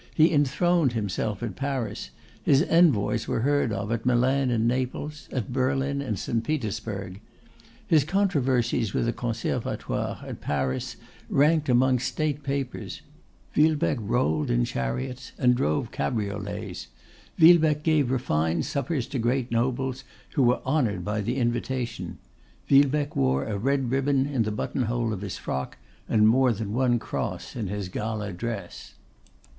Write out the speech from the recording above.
He enthroned himself at Paris; his envoys were heard of at Milan and Naples, at Berlin and St. Petersburg. His controversies with the Conservatoire at Paris ranked among state papers. Villebecque rolled in chariots and drove cabriolets; Villebecque gave refined suppers to great nobles, who were honoured by the invitation; Villebecque wore a red ribbon in the button hole of his frock, and more than one cross in his gala dress.